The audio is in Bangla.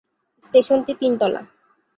স্টেশনটি তিন তলা।